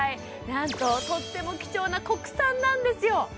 なんととっても貴重な国産なんですよ